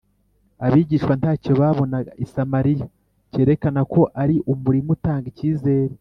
. Abigishwa ntacyo babonaga i Samariya cyerekana ko ari umurima utanga icyizere.